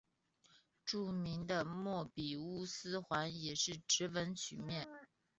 著名的莫比乌斯环也是直纹曲面。